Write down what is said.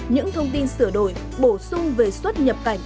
những thông tin sửa đổi bổ sung về xuất nhập cảnh